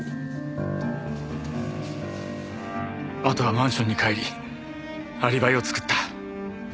あとはマンションに帰りアリバイを作った。